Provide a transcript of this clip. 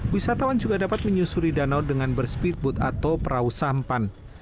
wisatawan juga dapat menyusuri danau dengan berspeedboat atau perahu sampan